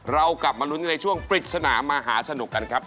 เรากลับมาลุ้นกันในช่วงปริศนามหาสนุกกันครับ